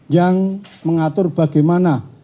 yang mengatur bagaimana